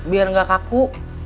biar gak kaku